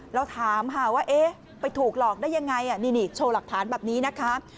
เราถามค่ะว่าเอ๊ะไปถูกหลอกได้ยังไงนี่โชว์หลักฐานแบบนี้นะคะ